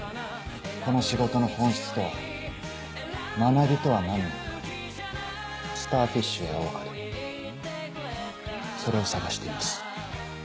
この仕事の本質とは学びとは何なのかスターフィッシュや桜花でそれを探しています